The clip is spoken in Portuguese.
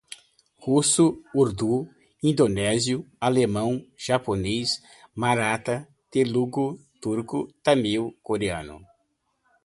Russo, urdu, indonésio, alemão, japonês, marata, telugo, turco, tâmil, coreano